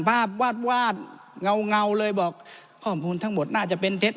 วาดวาดเงาเลยบอกข้อมูลทั้งหมดน่าจะเป็นเท็จ